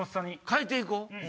変えて行こう！